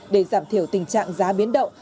để giảm thiểu tình trạng giá biến động